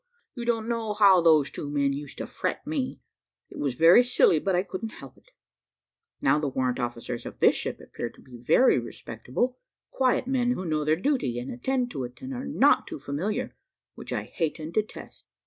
You don't know how those two men used to fret me; it was very silly, but I couldn't help it. Now the warrant officers of this ship appear to be very respectable, quiet men who know their duty, and attend to it, and are not too familiar, which I hate and detest.